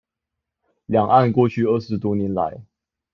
兩岸過去二十多年來